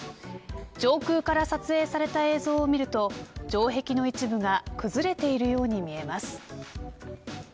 上空から撮影された映像を見ると城壁の一部が崩れているように見えます。